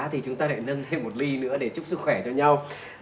thì chúng ta lại nâng thêm một ly nữa để chúc sức khỏe cho nhau